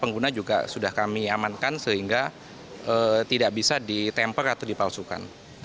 pengguna juga sudah kami amankan sehingga tidak bisa ditemper atau dipalsukan